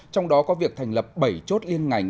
trong đó có việc thành lập bảy chốt liên ngành